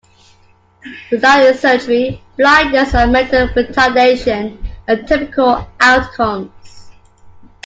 Without surgery, blindness and mental retardation are typical outcomes.